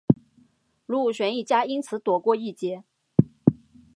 卢武铉一家因此躲过一劫。